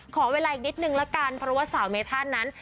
ขอเวลาอีกนิดนึงละกันเพราะว่าสาวเมธานนั้น